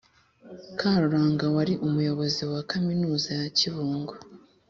Karuranga wari Umuyobozi wa Kaminuza ya Kibungo,